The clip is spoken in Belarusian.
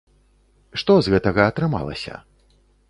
Што з гэтага атрымалася?